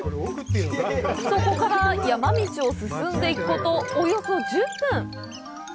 そこから山道を進んでいくことおよそ１０分